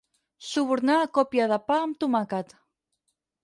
Subornar a còpia de pa amb tomàquet.